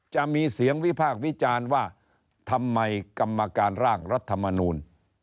จะมีเสียงวิพากษ์วิจารณ์ว่าทำไมกรรมการร่างรัฐมนูล